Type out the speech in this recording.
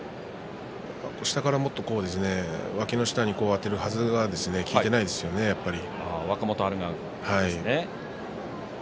下からもっとわきの下にあてがうはずが効いていないですね、若元春は。